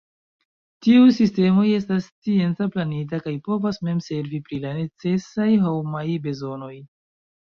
Tiuj sistemoj estas science planitaj kaj povas mem servi pri la necesaj homaj bezonoj.